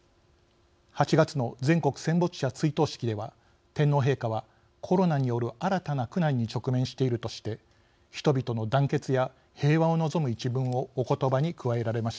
８月の全国戦没者追悼式では天皇陛下はコロナによる新たな苦難に直面しているとして人々の団結や平和を望む一文をおことばに加えられました。